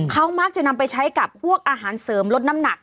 เขามักจะนำไปใช้กับพวกอาหารเสริมลดน้ำหนัก